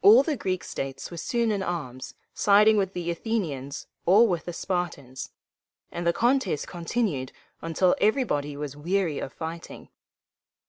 All the Greek states were soon in arms, siding with the Athenians or with the Spartans; and the contest continued until everybody was weary of fighting.